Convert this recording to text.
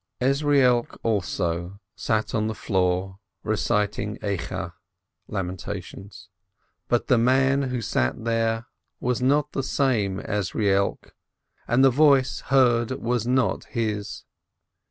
Ezrielk also sat on the floor reciting Lamentations, but the man who sat there was not the same Ezrielk, and the voice heard was not his.